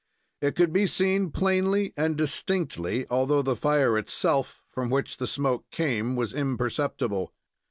It could be seen plainly and distinctly, although the fire itself from which the smoke came was imperceptible.